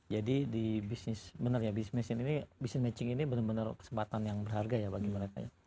jadi di business matching ini benar benar kesempatan yang berharga ya bagi mereka